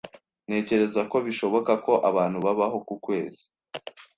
Ntekereza ko bishoboka ko abantu babaho ku kwezi.